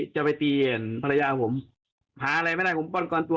จะไปตีเห็นภรรยาผมหาอะไรไม่ได้ผมป้องกันตัว